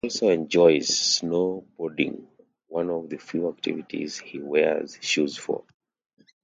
He also enjoys snowboarding, one of the few activities he wears shoes for.